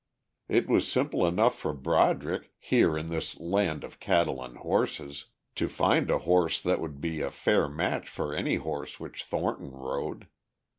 It was simple enough for Broderick, here in this land of cattle and horses, to find a horse that would be a fair match for any horse which Thornton rode.